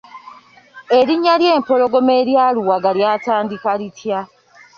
Erinnya ly’Empologoma erya Luwaga lyatandika litya?